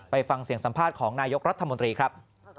ฟังเสียงสัมภาษณ์ของนายกรัฐมนตรีครับ